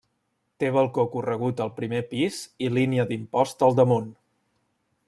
Té balcó corregut al primer pis i línia d'imposta al damunt.